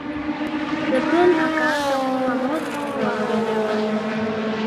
Debrune akaanza kuwa moto wa kuotea mbali